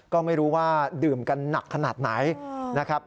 ก็ไม่รู้ว่าดื่มกันหนักขนาดไหนนะครับ